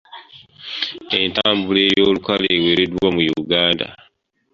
Entambula ey’olukale ewereddwa mu Uganda.